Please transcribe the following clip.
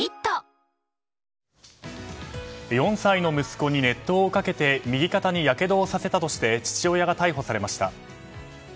前園さん４歳の息子に熱湯をかけて右肩にやけどをさせたとして父親が逮捕されました。